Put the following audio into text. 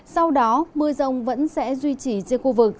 sau đó mưa rông vẫn sẽ duy trì riêng khu vực